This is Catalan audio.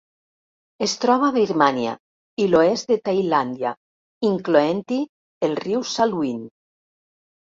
Es troba a Birmània i l'oest de Tailàndia, incloent-hi el riu Salween.